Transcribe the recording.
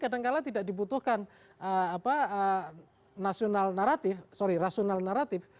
kadangkala tidak dibutuhkan nasional naratif sorry rasional naratif